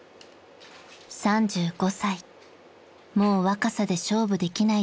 ［３５歳もう若さで勝負できない